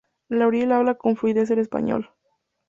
Laurie habla con fluidez el español.